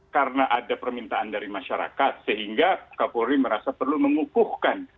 karena ada permintaan dari masyarakat sehingga kapolri merasa perlu mengukuhkan